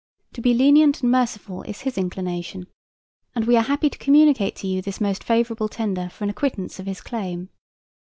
To be lenient and merciful is his inclination, and we are happy to communicate to you this most favorable tender for an acquittance of his claim.